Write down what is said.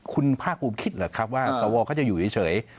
คุณภาคภูมิคิดเหรอครับว่าสวเขาจะอยู่เฉย